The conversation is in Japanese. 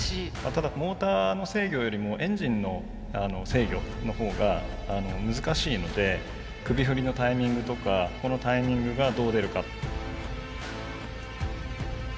ただモーターの制御よりもエンジンの制御の方が難しいので首振りのタイミングとかこのタイミングがどう出るか。